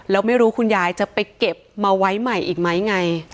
แล้วไม่รู้คุณยายจะไปเก็บมาไว้ใหม่อีกไหมไง